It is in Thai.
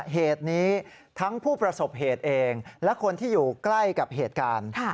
เหตุนี้ทั้งผู้ประสบเหตุเองและคนที่อยู่ใกล้กับเหตุการณ์